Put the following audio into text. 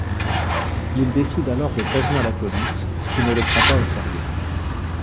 Il décide alors de prévenir la police qui ne le prend pas au sérieux.